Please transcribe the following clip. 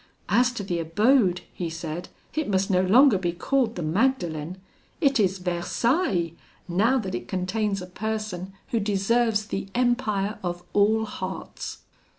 'As to the abode,' he said, 'it must no longer be called the Magdalen; it is Versailles! now that it contains a person who deserves the empire of all hearts.'